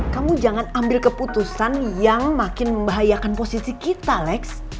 kamu jangan ambil keputusan yang makin membahayakan posisi kita lex